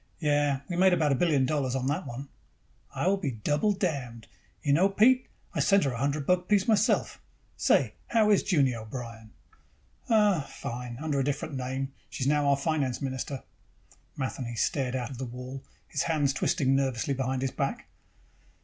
"Yes. We made about a billion dollars on that one." "I will be double damned. You know, Pete, I sent her a hundred buck piece myself. Say, how is Junie O'Brien?" "Oh, fine. Under a different name, she's now our finance minister." Matheny stared out the wall, his hands twisting nervously behind his back.